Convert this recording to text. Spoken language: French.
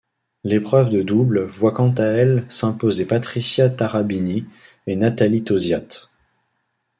L'épreuve de double voit quant à elle s'imposer Patricia Tarabini et Nathalie Tauziat.